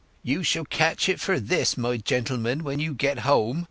"You shall catch it for this, my gentleman, when you get home!"